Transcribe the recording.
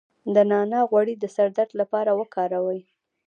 د نعناع غوړي د سر درد لپاره وکاروئ